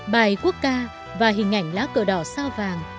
bài quốc ca và hình ảnh lá cờ đỏ sao vàng